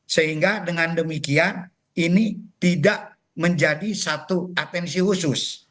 sehingga dengan demikian ini tidak menjadi satu atensi khusus